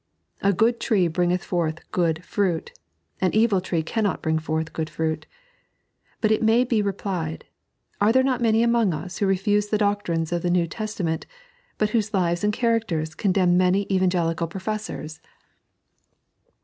A good tree bringeth forth good fruit ; an evil tree cannot bring forth good fruit. But it may be replied, Are there not many amongst us who refuse the doctrines of the New Testament, but whose lives and characters condemn many Evangelical professors? 3.n.iized by Google The Seed op Eablt Days.